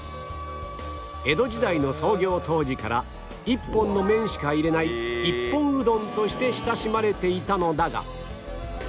江戸時代の創業当時から一本の麺しか入れない一本うどんとして親しまれていたのだが